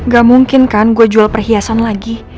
gak mungkin kan gue jual perhiasan lagi